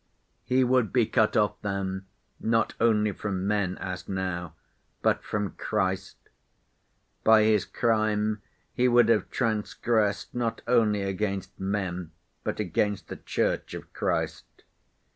He would be cut off then not only from men, as now, but from Christ. By his crime he would have transgressed not only against men but against the Church of Christ.